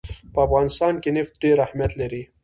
په افغانستان کې نفت ډېر اهمیت لري.